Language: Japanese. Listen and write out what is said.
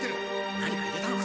何か入れたのか？